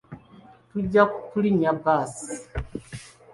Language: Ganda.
Tujja kulinnya bbaasi.